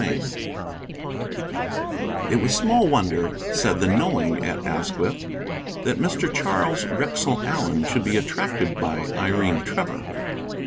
CHAPTER V It was small wonder, said the knowing at Asquith, that Mr. Charles Wrexell Allen should be attracted by Irene Trevor.